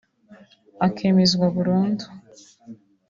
akemezwa burundu